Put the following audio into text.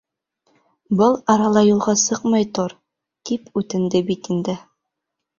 Был арала юлға сыҡмай тор, тип үтенде бит инде.